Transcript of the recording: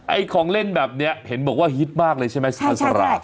ของเล่นแบบนี้เห็นบอกว่าฮิตมากเลยใช่ไหมสุภาษารา